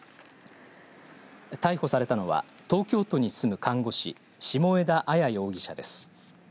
逮捕されたのは東京都に住む看護師下枝亜矢容疑者です。